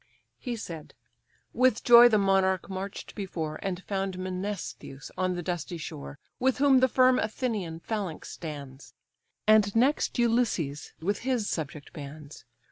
He said. With joy the monarch march'd before, And found Menestheus on the dusty shore, With whom the firm Athenian phalanx stands; And next Ulysses, with his subject bands.